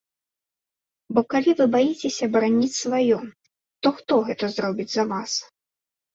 Бо калі вы баіцеся бараніць сваё, то хто гэта зробіць за вас?